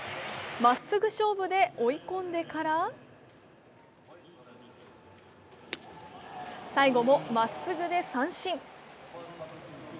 まっすぐ勝負で追い込んでから最後もまっすぐで三振。